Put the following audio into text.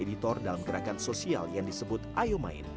dan juga sebagai editor dalam gerakan sosial yang disebut ayo main